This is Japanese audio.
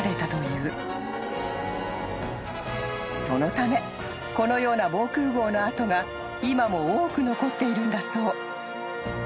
［そのためこのような防空壕の跡が今も多く残っているんだそう］